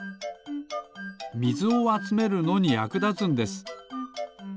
みずをあつめるのにやくだつんです。